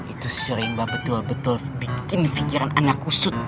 itu sering banget betul betul bikin fikiran ana kusut